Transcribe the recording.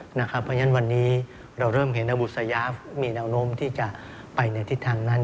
เพราะฉะนั้นวันนี้เราเริ่มเห็นบุษยามีแนวโน้มที่จะไปในทิศทางนั้น